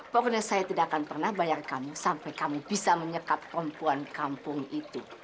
pokoknya saya tidak akan pernah bayar kamu sampai kami bisa menyekap perempuan kampung itu